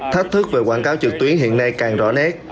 thách thức về quảng cáo trực tuyến hiện nay càng rõ nét